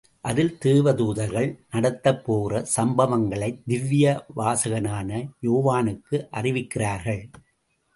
அதில் தேவ தூதர்கள் நடத்தப் போகிற சம்பவங்களை திவ்ய வாசகனான யோவானுக்கு அறிவிக்கிறார்கள்.